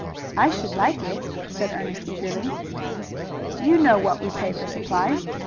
'" "I should like it," said Ernest eagerly. "You know what we pay for supplies.